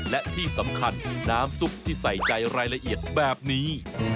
และที่สำคัญน้ำซุปที่ใส่ใจรายละเอียดแบบนี้